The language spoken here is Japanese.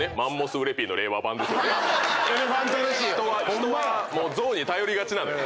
人は象に頼りがちなのよ。